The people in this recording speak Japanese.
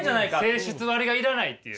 性質割が要らないっていう。